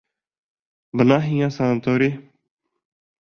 Бына һиңә санаторий!